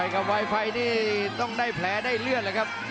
ไวไฟนี่ต้องได้แผลได้เลือดเลยครับ